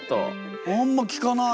あんま聞かない。